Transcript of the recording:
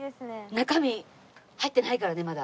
中身入ってないからねまだ。